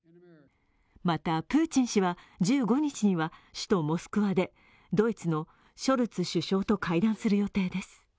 また、プーチン氏は１５日には首都モスクワでドイツのショルツ首相と会談する予定です。